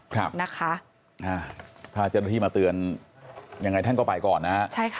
ถ้าเจ้าหน้าที่มาเตือนยังไงท่านก็ไปก่อนนะฮะ